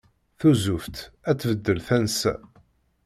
Tuzzuft ad tbeddel tansa.